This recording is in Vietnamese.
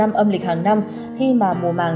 âm lịch hàng năm khi mà mùa màng